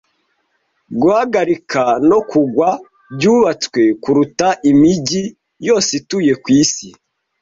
Guhagarika no kugwa byubatswe kuruta imigi yose ituye kwisi.